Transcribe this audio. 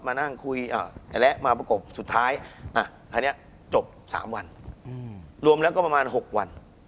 มานั่งคุยแล้วมาประกบสุดท้ายอันนี้จบ๓วันรวมแล้วก็ประมาณ๖วัน